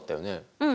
うん。